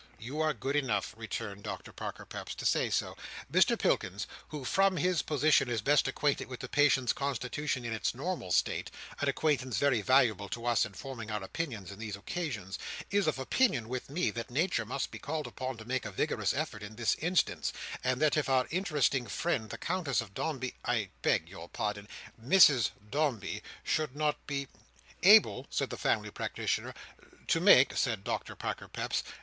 '" "You are good enough," returned Doctor Parker Peps, "to say so. Mr Pilkins who, from his position, is best acquainted with the patient's constitution in its normal state (an acquaintance very valuable to us in forming our opinions in these occasions), is of opinion, with me, that Nature must be called upon to make a vigorous effort in this instance; and that if our interesting friend the Countess of Dombey—I beg your pardon; Mrs Dombey—should not be—" "Able," said the family practitioner. "To make," said Doctor Parker Peps.